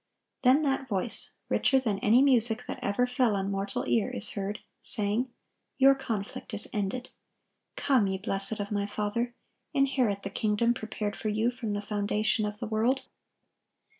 Then that voice, richer than any music that ever fell on mortal ear, is heard, saying, "Your conflict is ended." "Come, ye blessed of My Father, inherit the kingdom prepared for you from the foundation of the world."